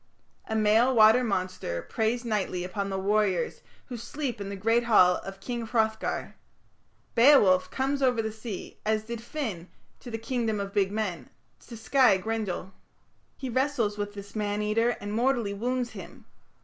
A male water monster preys nightly upon the warriors who sleep in the great hall of King Hrothgar. Beowulf comes over the sea, as did Finn to the "Kingdom of Big Men", to sky Grendel. He wrestles with this man eater and mortally wounds him.